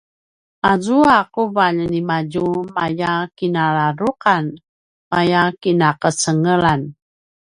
aza quvalj nimadju maya kinaladruqan maya kinaqecengelan